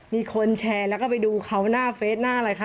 มีคนแชร์แล้วก็ไปดูเขาหน้าเฟสหน้าอะไรคะ